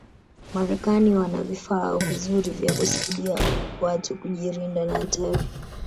marekani wana vifaa vizuri vya kusaidi watu kujirinda na hatari